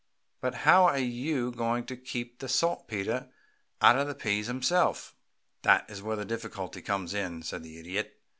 But how are you going to keep the saltpetre out of the peas themselves?" "That is where the difficulty comes in," said the Idiot.